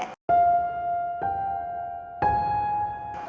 หัวทิ้ง